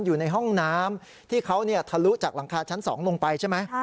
อยู่ในห้องน้ำที่เขาทะลุจากหลังคาชั้นสองลงไป